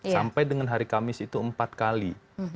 sampai dengan hari kamis itu empat kali